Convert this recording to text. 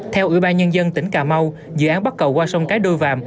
theo ủy ban nhân dân tỉnh cà mau dự án bắt cầu qua sông cái đôi vàm